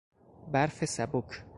برف سبک